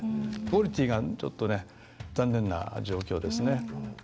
クオリティーがちょっと残念な状況ですね。